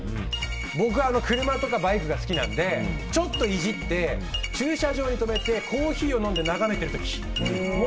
僕は車とかバイクが好きなのでちょっといじって駐車場に止めてコーヒーを飲んで眺めてる時。